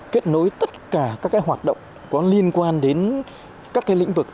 kết nối tất cả các hoạt động có liên quan đến các lĩnh vực